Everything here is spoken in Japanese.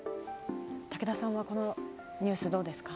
武田さんはこのニュース、どうですか？